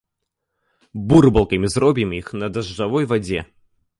Бурбалкамі зробім іх на дажджавой вадзе.